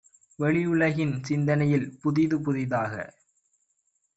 வௌியுலகில், சிந்தனையில் புதிது புதிதாக